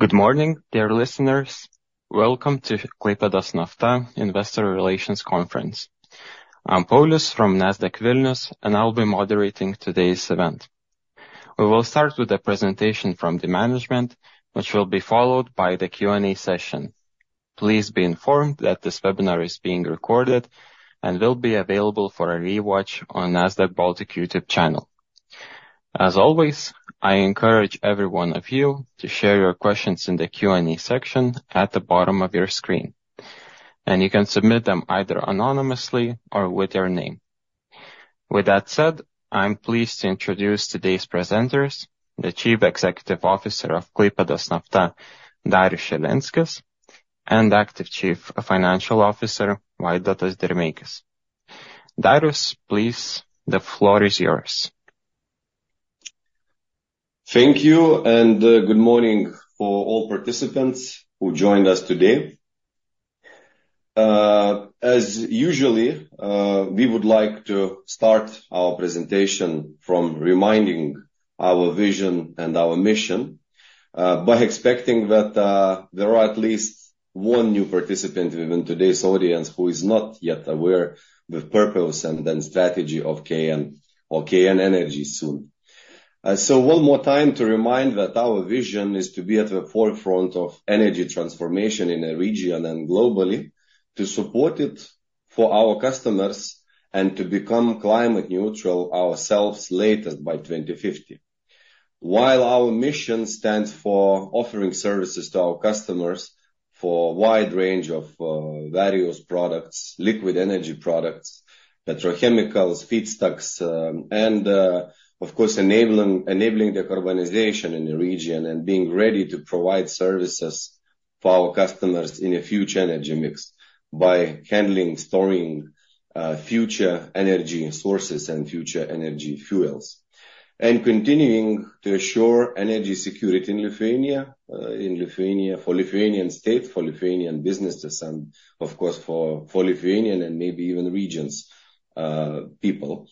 Good morning, dear listeners. Welcome to Klaipėdos Nafta Investor Relations Conference. I'm Paulius from Nasdaq Vilnius, and I'll be moderating today's event. We will start with a presentation from the management, which will be followed by the Q&A session. Please be informed that this webinar is being recorded and will be available for a rewatch on Nasdaq Baltic YouTube channel. As always, I encourage every one of you to share your questions in the Q&A section at the bottom of your screen, and you can submit them either anonymously or with your name. With that said, I'm pleased to introduce today's presenters, the Chief Executive Officer of Klaipėdos Nafta, Darius Šilenskis, and acting Chief Financial Officer, Vaidotas Dirmeikis. Darius, please, the floor is yours. Thank you, and good morning for all participants who joined us today. As usual, we would like to start our presentation from reminding our vision and our mission, by expecting that there are at least one new participant within today's audience who is not yet aware the purpose and then strategy of KN or KN Energies. So one more time to remind that our vision is to be at the forefront of energy transformation in a region and globally, to support it for our customers, and to become climate neutral ourselves later by 2050. While our mission stands for offering services to our customers for a wide range of various products, liquid energy products, petrochemicals, feedstocks, and, of course, enabling decarbonization in the region and being ready to provide services for our customers in a future energy mix by handling, storing future energy sources and future energy fuels. And continuing to assure energy security in Lithuania, in Lithuania, for Lithuanian state, for Lithuanian businesses, and of course, for Lithuanian and maybe even regions, people.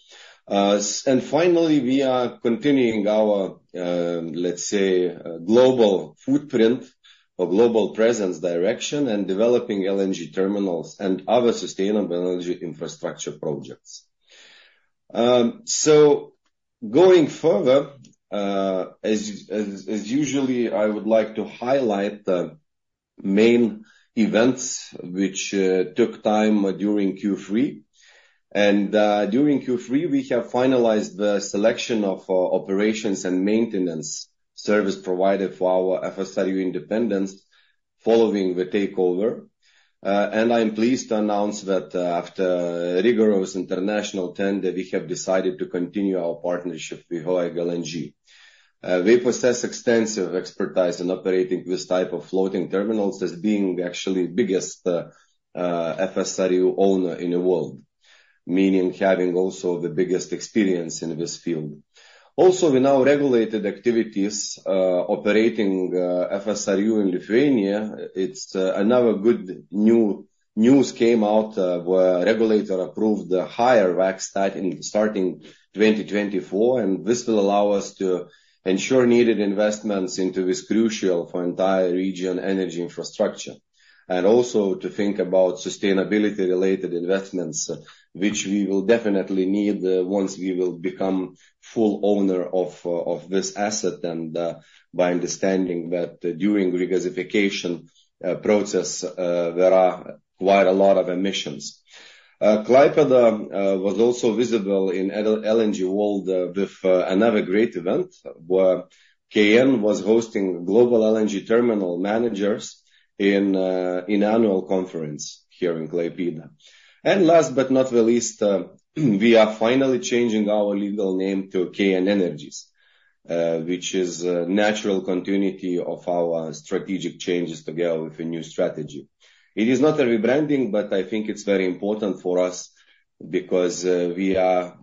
And finally, we are continuing our, let's say, global footprint or global presence direction and developing LNG terminals and other sustainable energy infrastructure projects. So going further, as usual, I would like to highlight the main events which took time during Q3. During Q3, we have finalized the selection of operations and maintenance service provided for our FSRU Independence following the takeover. I'm pleased to announce that, after rigorous international tender, we have decided to continue our partnership with Höegh LNG. They possess extensive expertise in operating this type of floating terminals as being actually biggest FSRU owner in the world, meaning having also the biggest experience in this field. Also, we now regulated activities operating FSRU in Lithuania. It's another good news came out, where regulator approved the higher WACC starting 2024, and this will allow us to ensure needed investments into this crucial for entire region energy infrastructure, and also to think about sustainability related investments, which we will definitely need, once we will become full owner of of this asset, and, by understanding that during regasification process, there are quite a lot of emissions. Klaipėda was also visible in LNG world, with another great event, where KN was hosting global LNG terminal managers in in annual conference here in Klaipėda. And last but not the least, we are finally changing our legal name to KN Energies, which is a natural continuity of our strategic changes together with the new strategy. It is not a rebranding, but I think it's very important for us because we are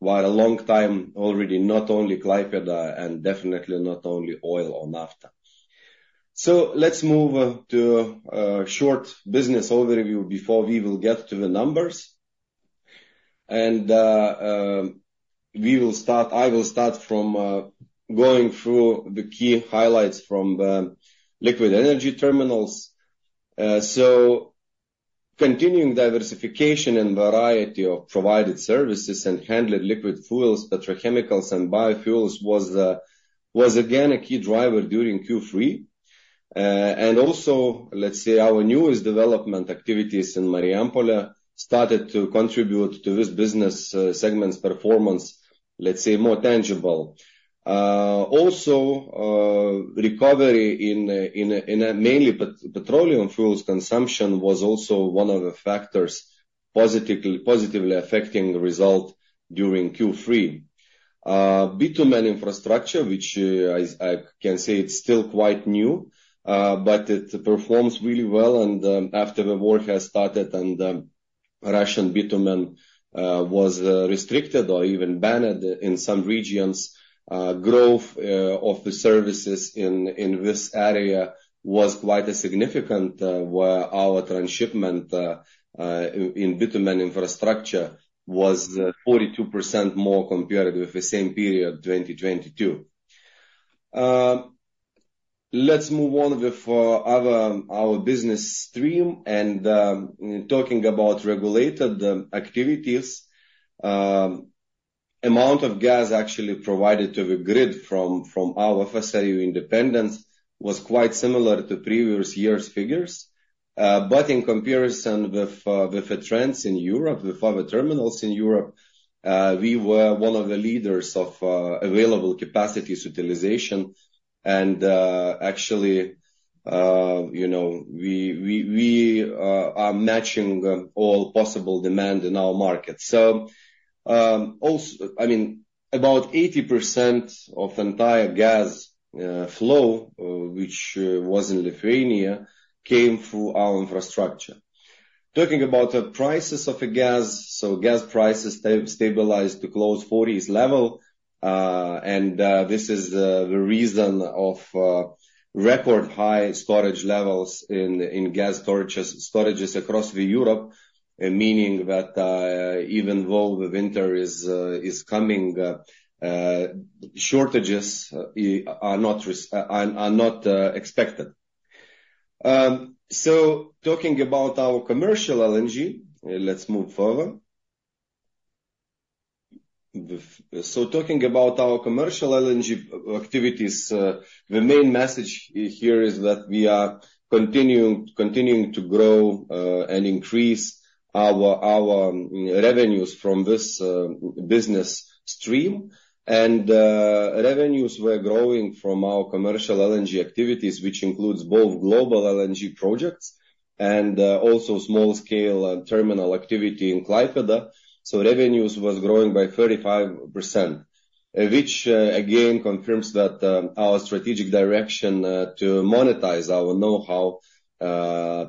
quite a long time already, not only Klaipėda, and definitely not only oil or nafta. So let's move to short business overview before we will get to the numbers. And we will start. I will start from going through the key highlights from the liquid energy terminals. So continuing diversification and variety of provided services and handled liquid fuels, petrochemicals, and biofuels was again a key driver during Q3. And also, let's say our newest development activities in Marijampolė started to contribute to this business segments' performance, let's say, more tangible. Also, recovery in a mainly petroleum fuels consumption was also one of the factors positively affecting the result during Q3. Bitumen infrastructure, which is... I can say it's still quite new, but it performs really well. After the war has started and Russian bitumen was restricted or even banned in some regions, growth of the services in this area was quite significant, where our transshipment in bitumen infrastructure was 42% more compared with the same period, 2022. Let's move on with other our business stream, and talking about regulated activities. Amount of gas actually provided to the grid from our FSRU Independence was quite similar to previous years' figures. But in comparison with the trends in Europe, with other terminals in Europe, we were one of the leaders of available capacities utilization. Actually, you know, we are matching all possible demand in our market. So, also, I mean, about 80% of entire gas flow, which was in Lithuania, came through our infrastructure. Talking about the prices of the gas, so gas prices stabilized to close 40s level, and this is the reason of record high storage levels in gas storages across Europe. Meaning that even though the winter is coming, shortages are not expected. So talking about our commercial LNG, let's move further. So talking about our commercial LNG activities, the main message here is that we are continuing to grow and increase our revenues from this business stream. Revenues were growing from our commercial LNG activities, which includes both global LNG projects and also small scale terminal activity in Klaipėda. So revenues was growing by 35%, which again confirms that our strategic direction to monetize our know-how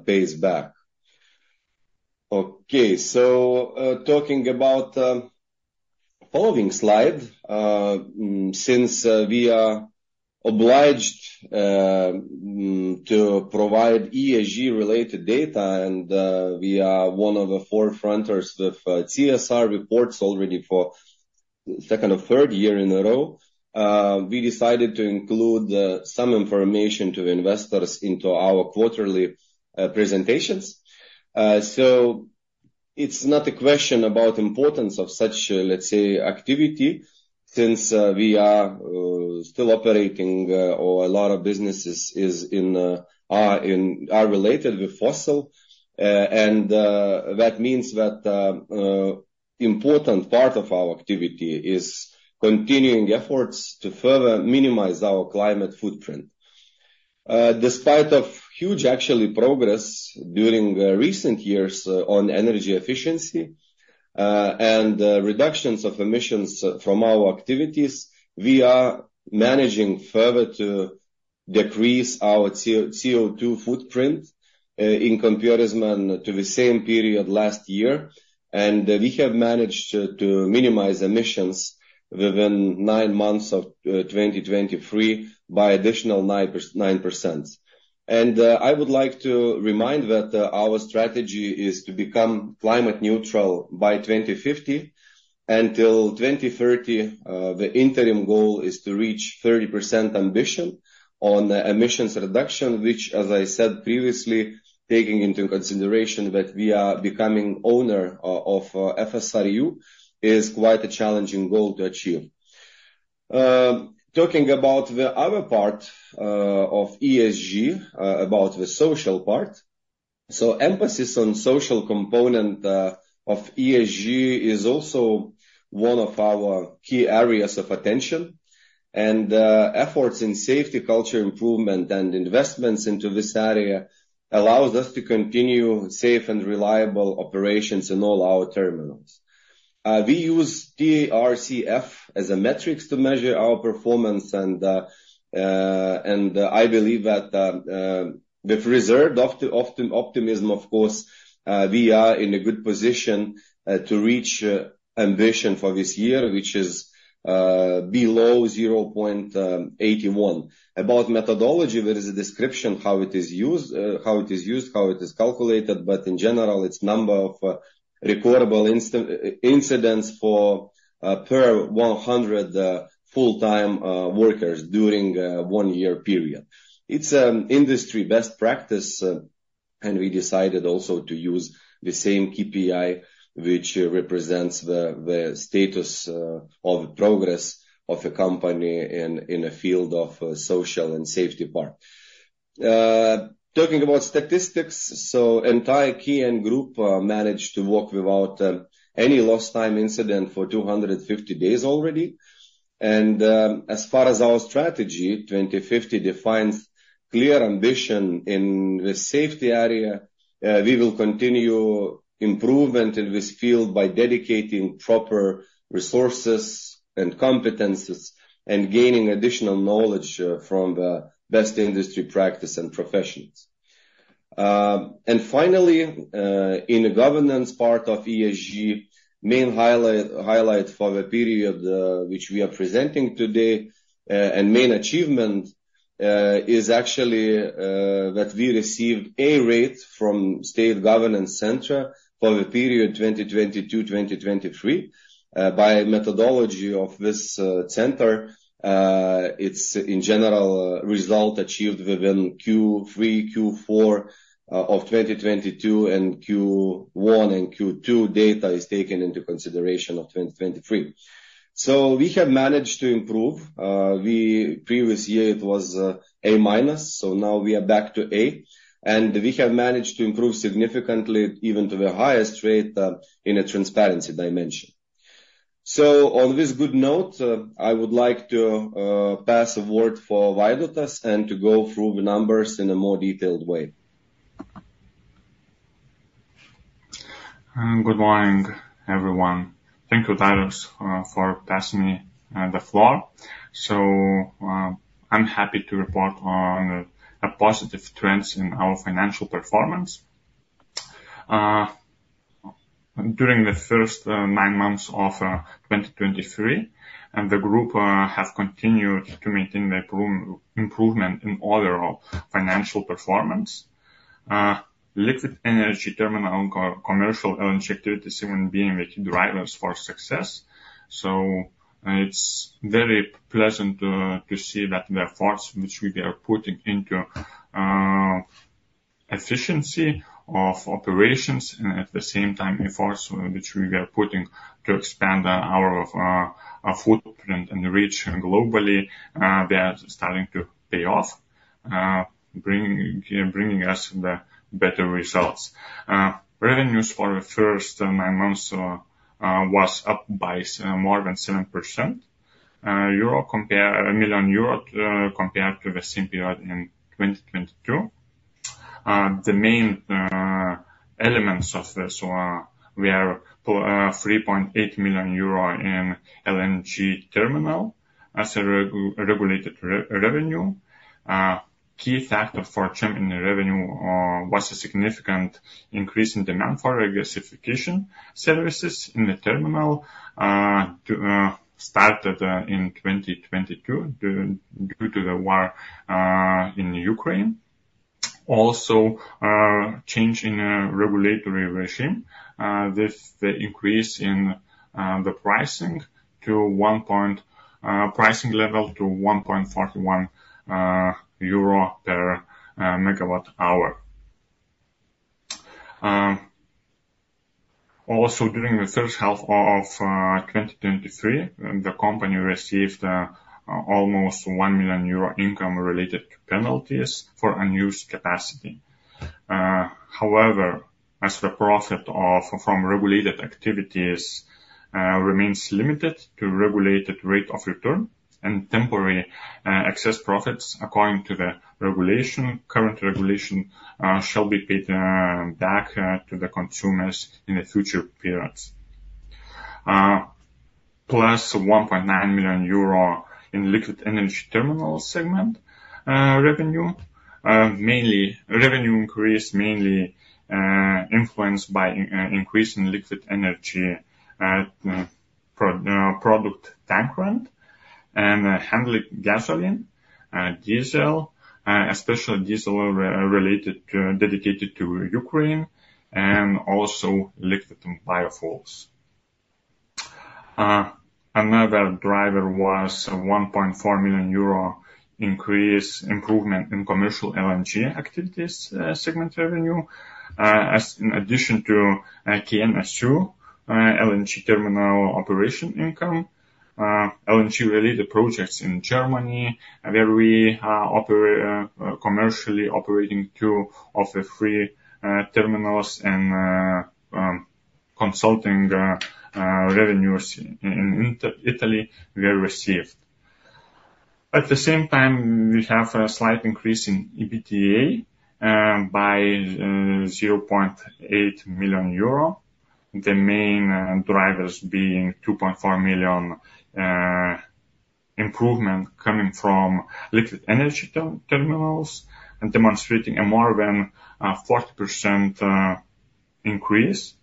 pays back. Okay, so talking about the following slide, since we are obliged to provide ESG related data, and we are one of the forerunners with CSR reports already for second or third year in a row, we decided to include some information to investors into our quarterly presentations. So it's not a question about importance of such, let's say, activity, since we are still operating, or a lot of businesses are related with fossil. And that means that important part of our activity is continuing efforts to further minimize our climate footprint. Despite of huge actually progress during recent years on energy efficiency and reductions of emissions from our activities, we are managing further to decrease our CO2 footprint in comparison to the same period last year. And we have managed to minimize emissions within nine months of 2023 by additional 9%. And I would like to remind that our strategy is to become climate neutral by 2050. Until 2030, the interim goal is to reach 30% ambition on emissions reduction, which, as I said previously, taking into consideration that we are becoming owner of FSRU, is quite a challenging goal to achieve. Talking about the other part of ESG, about the social part. So emphasis on social component of ESG is also one of our key areas of attention, and efforts in safety culture improvement and investments into this area allows us to continue safe and reliable operations in all our terminals. We use TRCF as a metrics to measure our performance, and I believe that, with reserve often optimism, of course, we are in a good position to reach ambition for this year, which is below 0.81. About methodology, there is a description, how it is used, how it is used, how it is calculated, but in general, it's number of recordable incidents per 100 full-time workers during one year period. It's industry best practice, and we decided also to use the same KPI, which represents the status of progress of the company in a field of social and safety part. Talking about statistics, so entire KN group managed to work without any lost time incident for 250 days already. And as far as our strategy, 2050 defines clear ambition in the safety area. We will continue improvement in this field by dedicating proper resources and competences, and gaining additional knowledge from the best industry practice and professionals. And finally, in the governance part of ESG, main highlight for the period which we are presenting today and main achievement is actually that we received A rate from State Governance Center for the period 2022-2023. By methodology of this center, it's in general, result achieved within Q3, Q4 of 2022, and Q1 and Q2 data is taken into consideration of 2023. So we have managed to improve. We previous year it was, A minus, so now we are back to A, and we have managed to improve significantly, even to the highest rate, in a transparency dimension. So on this good note, I would like to pass a word for Vaidotas and to go through the numbers in a more detailed way. Good morning, everyone. Thank you, Darius, for passing me the floor. So, I'm happy to report on a positive trends in our financial performance. During the first nine months of 2023, and the group have continued to maintain the improvement in order of financial performance. Liquid energy terminal and commercial LNG activities even being the drivers for success. So it's very pleasant to see that the efforts which we are putting into efficiency of operations, and at the same time, efforts which we are putting to expand our footprint and reach globally, they are starting to pay off, bringing us the better results. Revenues for the first nine months was up by more than 7%, euro compare... 1 million euro compared to the same period in 2022. The main elements of this were 3.8 million euro in LNG terminal as a regulated revenue. Key factor for jump in the revenue was a significant increase in demand for regasification services in the terminal that started in 2022 due to the war in Ukraine. Also, change in regulatory regime with the increase in the pricing to pricing level to 1.41 euro per MWh. Also, during the first half of 2023, the company received almost 1 million euro income-related penalties for unused capacity. However, as the profit from regulated activities remains limited to regulated rate of return and temporary excess profits, according to the regulation, current regulation, shall be paid back to the consumers in the future periods. Plus 1.9 million euro in liquid energy terminal segment revenue. Mainly, revenue increase mainly influenced by increase in liquid energy product tank rent and handling gasoline, diesel, especially diesel related to dedicated to Ukraine, and also liquid biofuels. Another driver was 1.4 million euro increase, improvement in commercial LNG activities segment revenue. In addition to KN's LNG terminal operation income, LNG-related projects in Germany, where we commercially operating two of the three terminals and consulting revenues in Italy were received. At the same time, we have a slight increase in EBITDA by 0.8 million euro, the main drivers being 2.4 million improvement coming from liquid energy terminals and demonstrating a more than 40% increase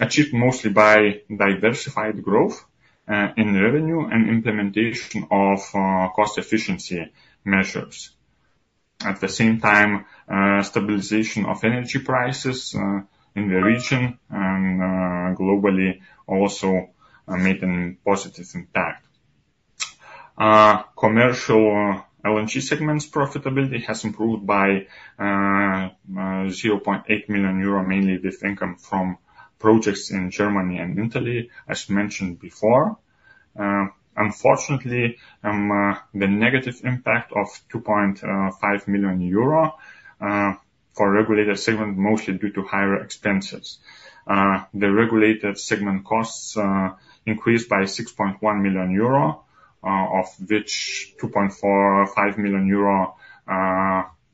achieved mostly by diversified growth in revenue and implementation of cost efficiency measures. At the same time, stabilization of energy prices in the region and globally also making a positive impact. Commercial LNG segments' profitability has improved by 0.8 million euro, mainly with income from projects in Germany and Italy, as mentioned before. Unfortunately, the negative impact of 2.5 million euro for regulated segment, mostly due to higher expenses. The regulated segment costs increased by 6.1 million euro, of which 2.45 million euro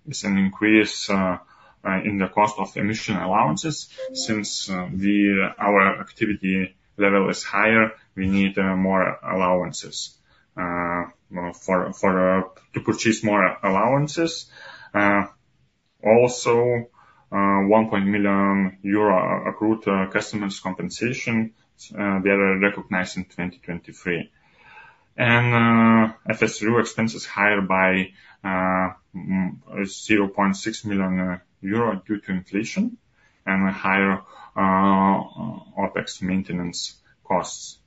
is an increase in the cost of emission allowances. Since our activity level is higher, we need more allowances to purchase more allowances. Also, 1 million euro accrued customers compensation they are recognized in 2023. FSRU expense is higher by 0.6 million euro due to inflation and a higher OPEX maintenance costs.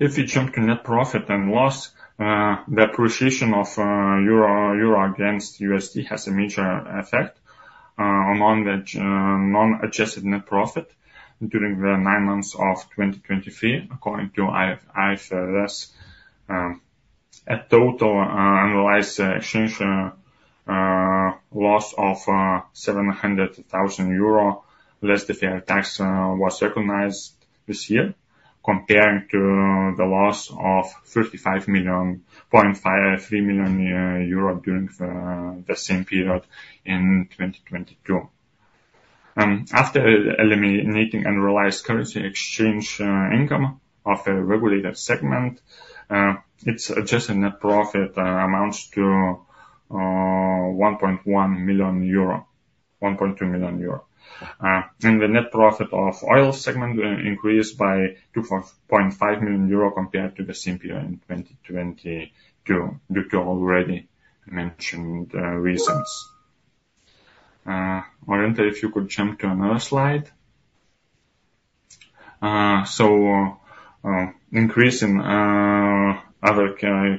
If you jump to net profit and loss, the appreciation of euro against USD has a major effect among the non-adjusted net profit during the nine months of 2023, according to IFRS. In total, foreign exchange loss of 700 thousand euro, net of tax, was recognized this year, compared to the loss of 35.53 million during the same period in 2022. After eliminating unrealized currency exchange income of a regulated segment, the adjusted net profit amounts to 1.1 million euro, 1.2 million euro. And the net profit of oil segment increased by 2.5 million euro compared to the same period in 2022, due to already mentioned reasons. Orinta, if you could jump to another slide. Increase in other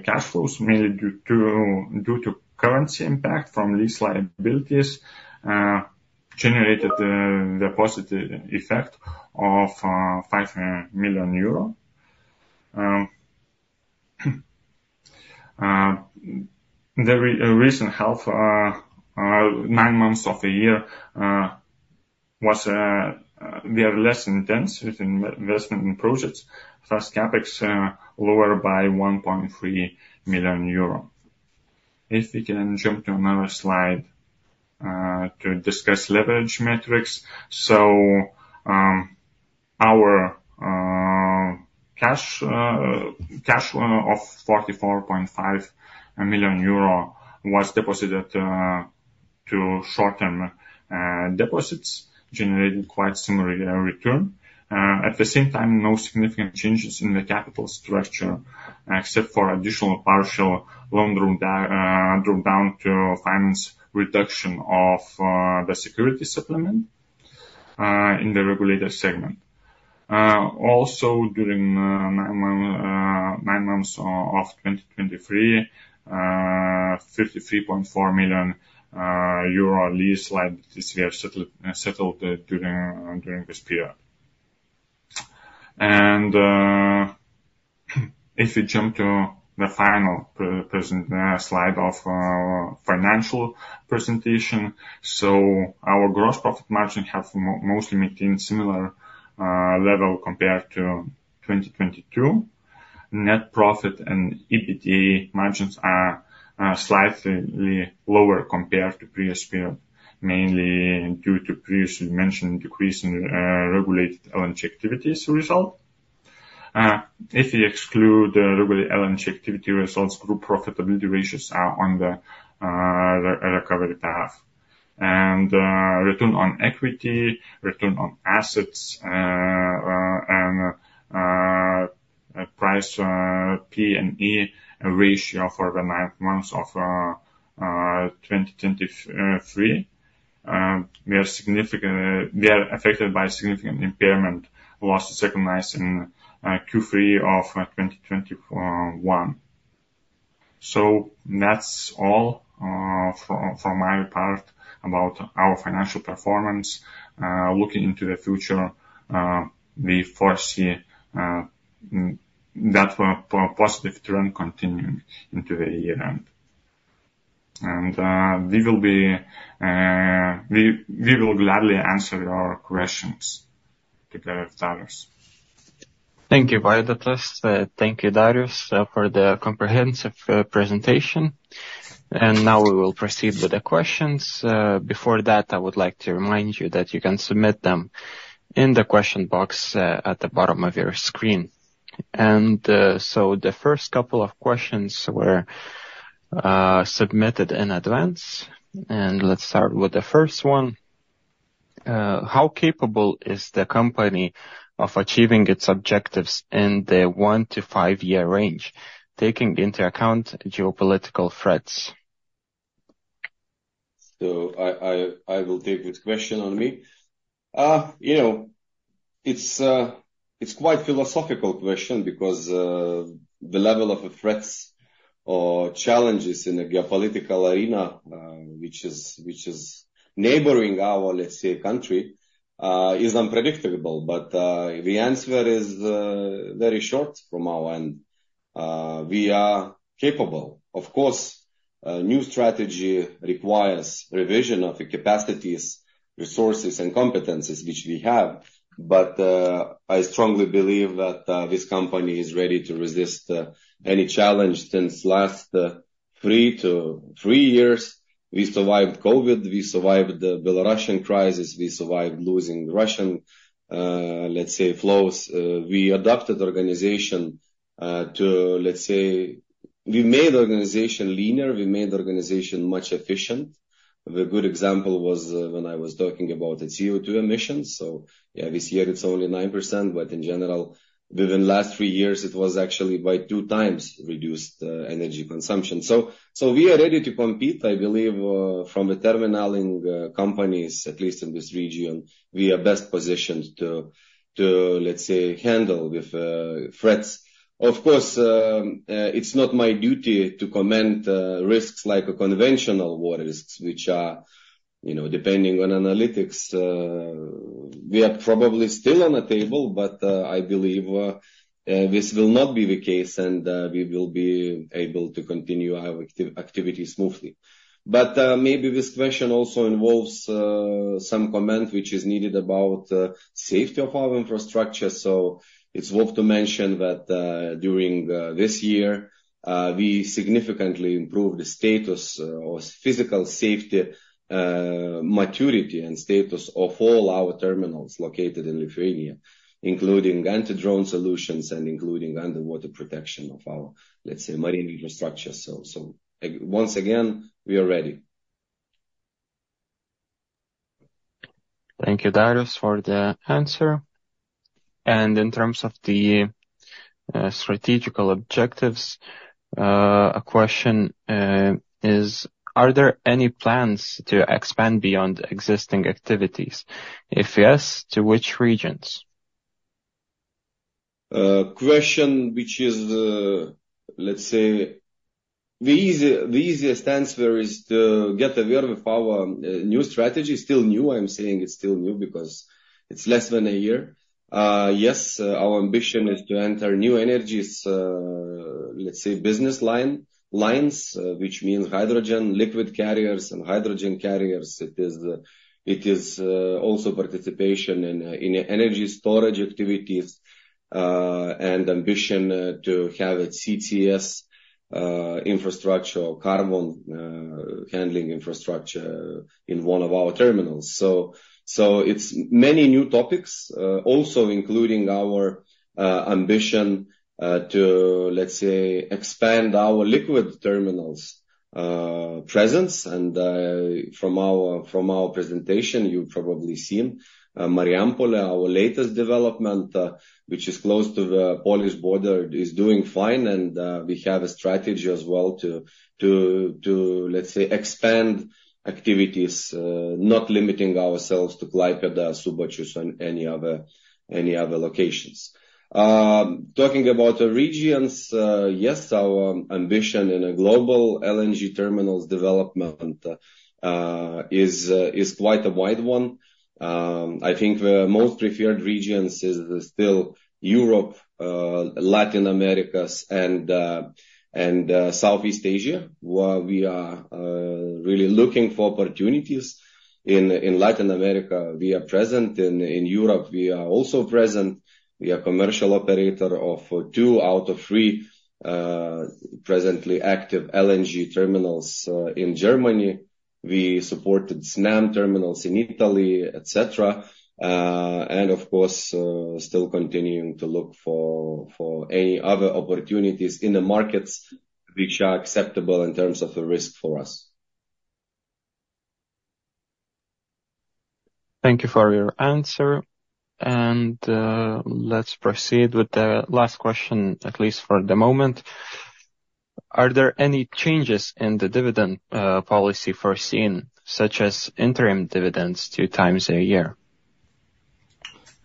cash flows, mainly due to currency impact from these liabilities, generated the positive effect of EUR 5 million. The recent half nine months of the year was less intense with investment in projects, thus CapEx lower by 1.3 million euro. If we can jump to another slide to discuss leverage metrics. Our cash of 44.5 million euro was deposited to short-term deposits, generating quite similar return. At the same time, no significant changes in the capital structure, except for additional partial loan draw down to finance reduction of the security supplement in the regulated segment. Also, during nine months of 2023, 53.4 million euro lease liabilities were settled during this period. If you jump to the final presentation slide of the financial presentation. Our gross profit margin has mostly maintained similar level compared to 2022. Net profit and EBITDA margins are slightly lower compared to previous period, mainly due to previously mentioned decrease in regulated LNG activities result. If you exclude the regulated LNG activity results, group profitability ratios are on the recovery path. Return on equity, return on assets, and price P/E ratio for the nine months of 2023, we are affected by significant impairment loss recognized in Q3 of 2021. So that's all from my part about our financial performance. Looking into the future, we foresee that positive trend continuing into the year end. And we will gladly answer your questions to the audience. Thank you, Vaidotas. Thank you, Darius, for the comprehensive presentation. Now we will proceed with the questions. Before that, I would like to remind you that you can submit them in the question box at the bottom of your screen. The first couple of questions were submitted in advance, and let's start with the first one. How capable is the company of achieving its objectives in the 1-5 year range, taking into account geopolitical threats? So I will take this question on me. You know, it's quite philosophical question because the level of the threats or challenges in the geopolitical arena, which is neighboring our, let's say, country, is unpredictable. But the answer is very short from our end. We are capable. Of course, a new strategy requires revision of the capacities, resources, and competencies which we have, but I strongly believe that this company is ready to resist any challenge since last three to three years. We survived COVID, we survived the Belarusian crisis, we survived losing Russian, let's say, flows. We adapted organization to, let's say, we made the organization leaner, we made the organization much efficient. The good example was, when I was talking about the CO2 emissions. So yeah, this year it's only 9%, but in general, within last three years, it was actually by two times reduced, energy consumption. So, so we are ready to compete. I believe, from the terminalling, companies, at least in this region, we are best positioned to, to, let's say, handle with, threats. Of course, it's not my duty to comment, risks like a conventional war risks, which are, you know, depending on analytics. We are probably still on the table, but, I believe, this will not be the case, and, we will be able to continue our activities smoothly. But, maybe this question also involves some comment which is needed about safety of our infrastructure. So it's worth to mention that, during this year, we significantly improved the status, or physical safety, maturity and status of all our terminals located in Lithuania, including anti-drone solutions and including underwater protection of our, let's say, marine infrastructure. So, once again, we are ready. Thank you, Darius, for the answer. And in terms of the strategic objectives, a question is: Are there any plans to expand beyond existing activities? If yes, to which regions? Question which is, let's say... The easier answer is to get aware with our new strategy. Still new, I'm saying it's still new because it's less than a year. Yes, our ambition is to enter new energies, let's say, business lines, which means hydrogen, liquid carriers and hydrogen carriers. It is also participation in energy storage activities, and ambition to have a CCS infrastructure or carbon handling infrastructure in one of our terminals. So it's many new topics, also including our ambition to, let's say, expand our liquid terminals presence. From our presentation, you've probably seen Marijampolė, our latest development, which is close to the Polish border, is doing fine, and we have a strategy as well to, let's say, expand activities, not limiting ourselves to Klaipėda, Subačius, and any other locations. Talking about the regions, yes, our ambition in a global LNG terminals development is quite a wide one. I think the most preferred regions is still Europe, Latin America and Southeast Asia, where we are really looking for opportunities. In Latin America, we are present, in Europe, we are also present. We are commercial operator of two out of three presently active LNG terminals in Germany. We supported Snam terminals in Italy, et cetera. And of course, still continuing to look for any other opportunities in the markets which are acceptable in terms of the risk for us. Thank you for your answer. Let's proceed with the last question, at least for the moment. Are there any changes in the dividend policy foreseen, such as interim dividends two times a year?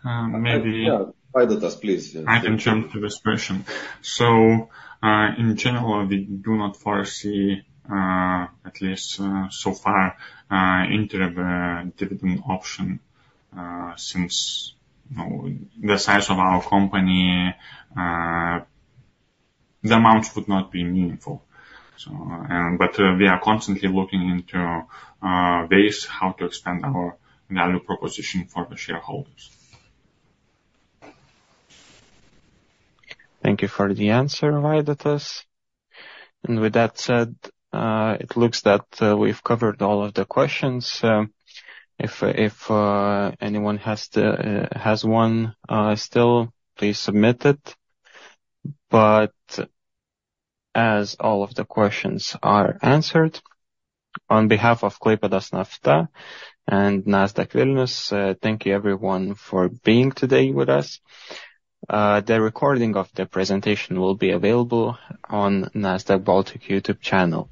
Um, maybe- Yeah. Vaidotas, please. I can jump to this question. So, in general, we do not foresee, at least, so far, interim dividend option, since, you know, the size of our company, the amounts would not be meaningful. So, but, we are constantly looking into, ways how to expand our value proposition for the shareholders. Thank you for the answer, Vaidotas. With that said, it looks that we've covered all of the questions. If anyone has one still, please submit it. As all of the questions are answered, on behalf of Klaipėdos Nafta and Nasdaq Vilnius, thank you everyone for being today with us. The recording of the presentation will be available on Nasdaq Baltic YouTube channel.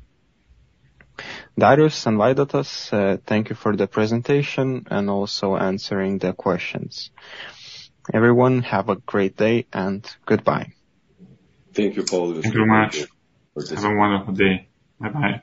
Darius and Vaidotas, thank you for the presentation and also answering the questions. Everyone, have a great day, and goodbye. Thank you, Paulius. Thank you very much. Have a wonderful day. Bye-bye.